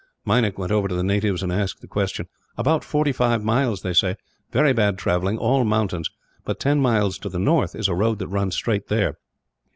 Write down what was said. Meinik went over to the natives and asked the question. "About forty five miles, they say; very bad travelling; all mountains, but ten miles to the north is a road that runs straight there."